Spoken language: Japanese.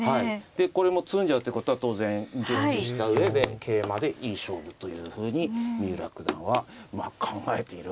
でこれもう詰んじゃうってことは当然熟知した上で桂馬でいい勝負というふうに三浦九段は考えているわけですね。